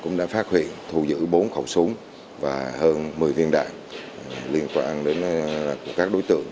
cũng đã phát hiện thu giữ bốn khẩu súng và hơn một mươi viên đạn liên quan đến của các đối tượng